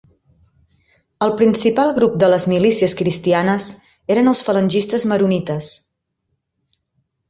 El principal grup de les milícies cristianes eren els falangistes maronites.